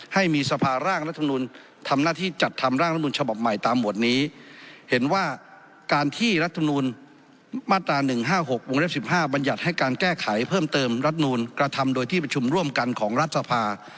ให้มีสภาร่างรัฐมนุนทำหน้าที่จัดทำร่างรัฐมนุนฉบับใหม่ตามหมวดนี้เห็นว่าการที่รัฐมนูลมาตรา๑๕๖วงเล็บสิบห้าบรรยัติให้การแก้ไขเพิ่มเติมรัฐนูลกระทำโดยที่ประชุมร่วมกันของรัฐสภา